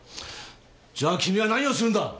じゃあ君は何をするんだ！？